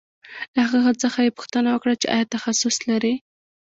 له هغه څخه یې پوښتنه وکړه چې آیا تخصص لرې